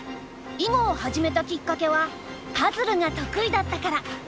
囲碁を始めたきっかけはパズルが得意だったから。